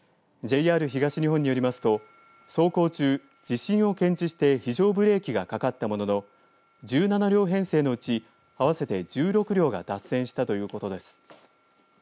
ＪＲ東日本によりますと走行中、地震を検知して非常ブレーキがかかったものの１７両編成のうち合わせて１６両が脱線したということです。